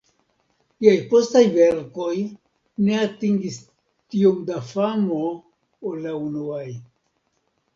Liaj postaj verkoj ne atingis tiom da famo ol la unuaj.